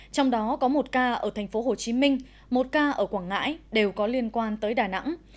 trong đó có một ca ở tp hcm một ca ở quảng ngãi đều có liên quan tới đà nẵng